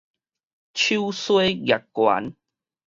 手梳攑懸